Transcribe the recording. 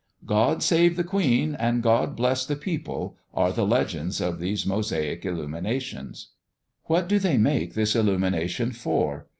[A] [A] "God save the Queen," and "God bless the people," are the legends of these Mosaic illuminations. What do they make this illumination for?